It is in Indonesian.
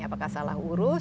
apakah salah urus